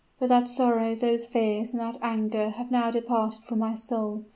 But that sorrow, those fears, and that anger have now departed from my soul.